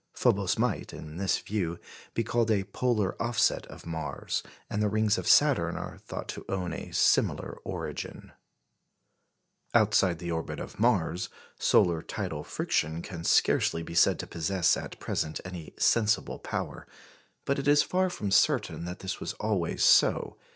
Phobos might, in this view, be called a polar offset of Mars; and the rings of Saturn are thought to own a similar origin. Outside the orbit of Mars, solar tidal friction can scarcely be said to possess at present any sensible power. But it is far from certain that this was always so.